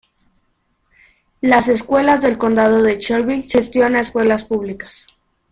Las Escuelas del Condado de Shelby gestiona escuelas públicas.